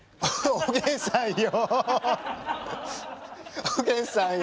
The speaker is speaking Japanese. おげんさんよ。